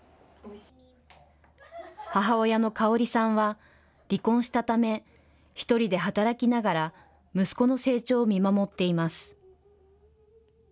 母親のカオリさんは離婚したため、１人で働きながら息子の成長を見守っています。